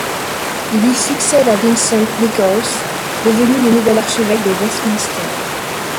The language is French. Il y succède à Vincent Nichols, devenu le nouvel archevêque de Westminster.